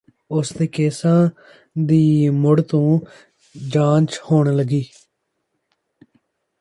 ਉਸਦੇ ਕੇਸਾਂ ਦੀ ਮੁੜ ਤੋਂ ਜਾਂਚ ਹੋਣ ਲੱਗੀ